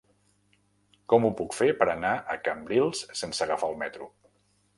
Com ho puc fer per anar a Cambrils sense agafar el metro?